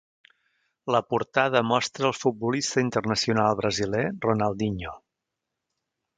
La portada mostra el futbolista internacional brasiler Ronaldinho.